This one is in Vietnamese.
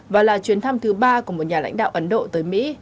và là chuyến thăm thứ ba của một nhà lãnh đạo ấn độ tới mỹ